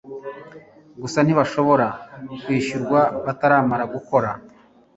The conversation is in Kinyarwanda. gusa ntibashobora kwishyurwa bataramara gukora